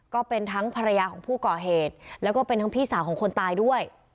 ก็เป็นทั้งภรรยาของผู้ก่อเหตุแล้วก็เป็นทั้งพี่สาวของคนตายด้วย